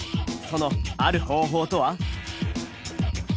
そのある方法とは？